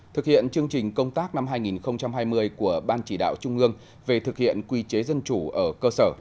thực hiện chương trình công tác năm hai nghìn hai mươi của ban chỉ đạo trung ương về thực hiện quy chế dân chủ ở cơ sở